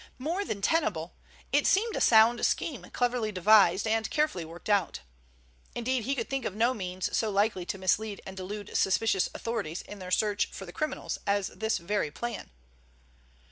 More than tenable, it seemed a sound scheme cleverly devised and carefully worked out. Indeed he could think of no means so likely to mislead and delude suspicious authorities in their search for the criminals as this very plan.